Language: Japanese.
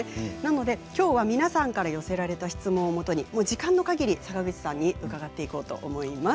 きょうは皆さんが寄せられた質問をもとに時間のかぎり坂口さんに伺っていこうと思います。